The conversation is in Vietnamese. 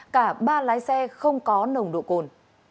cả ba lái xe không có nồng độ cồn